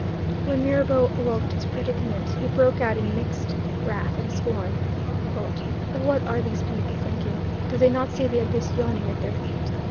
When Mirabeau awoke to his predicament, he broke out in mixed wrath and scorn: "Of what are these people thinking? Do they not see the abyss yawning at their feet?